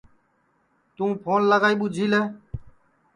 توں پھون لگائی ٻوچھی لے